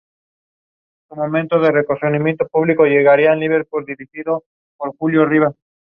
Spoiler se quita la máscara y resulta ser Stephanie.